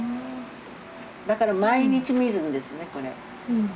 だから毎日見るんですねこれ。